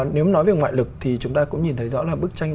nếu nói về ngoại lực thì chúng ta cũng nhìn thấy rõ là bức tranh